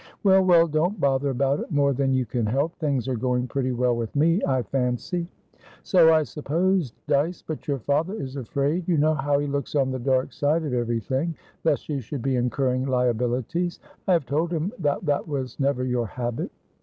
"Well, well, don't bother about it, more than you can help. Things are going pretty well with me, I fancy." "So I supposed, Dyce. But your father is afraidyou know how he looks on the dark side of everythinglest you should be incurring liabilities. I have told him that that was never your habit."